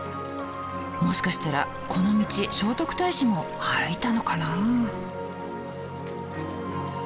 もしかしたらこの道聖徳太子も歩いたのかな。